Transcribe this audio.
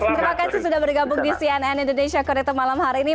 terima kasih sudah bergabung di cnn indonesia connected malam hari ini